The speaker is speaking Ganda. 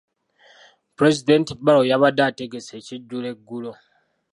Pulezidenti Barrow yabadde ategese ekijjulo eggulo.